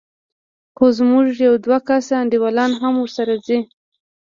خو زموږ يو دوه کسه انډيوالان هم ورسره ځي.